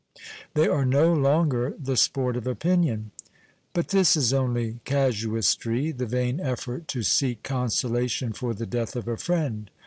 They are no longer the sport of opinion. But this is only casuistry, the vain effort to seek consolation for the death of a friend.